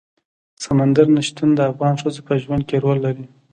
سمندر نه شتون د افغان ښځو په ژوند کې رول لري.